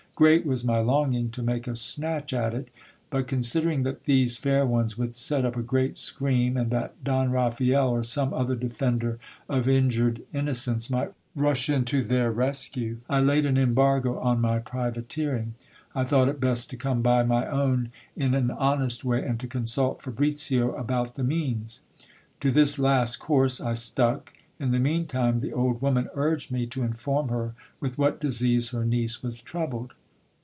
Great was my longing to make a snatch at it ; but considering that these fair ones would set up a great scream, and that Don Raphael or some other defender of injured innocence might rush in to their rescue, I laid an embargo on my privateering. I thought it best to come by my own in an honest way, and to consult Fabricio about the means. To this last course I stuck. In the mean time the old woman urged me to inform her with what disease her niece was troubled.